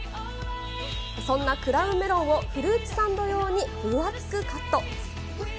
そんなクラウンメロンをフルーツサンド用に分厚くカット。